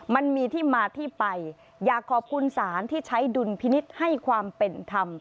มันมีที่มาที่ไปอยากขอบคุณศาลที่ใช้ดุลพินิษฐ์ให้ความเป็นธรรม